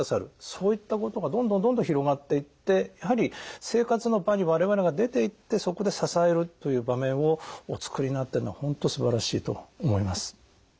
そういったことがどんどんどんどん広がっていってやはり生活の場に我々が出ていってそこで支えるという場面をおつくりになっているのは本当すばらしいと思います。